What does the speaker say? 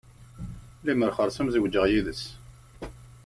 Lemer xeṛṣum zewǧeɣ yid-s.